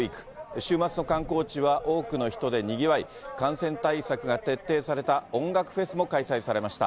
週末の観光地は多くの人でにぎわい、感染対策が徹底された音楽フェスも開催されました。